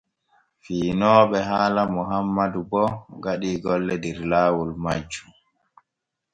Fiinooɓe haala Mohammadu bo gaɗii golle der laawol majjum.